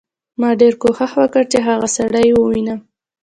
ما ډېر کوښښ وکړ چې هغه سړی ووینم